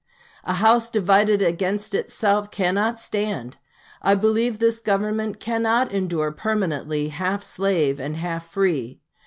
'A house divided against itself cannot stand.' I believe this Government cannot endure permanently, half slave and half free.